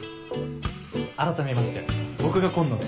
改めまして僕が紺野で。